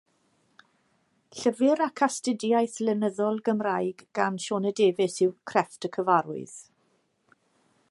Llyfr ac astudiaeth lenyddol, Gymraeg gan Sioned Davies yw Crefft y Cyfarwydd.